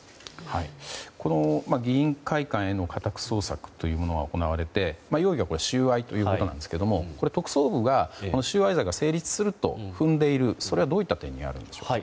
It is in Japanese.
議員会館への家宅捜索というものが行われて容疑は収賄ということですが特捜部が収賄罪が成立すると踏んでいるそれはどういった点にあるんでしょうか。